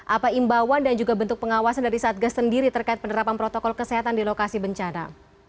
apa imbauan dan juga bentuk pengawasan dari satgas sendiri terkait penerapan protokol kesehatan di lokasi bencana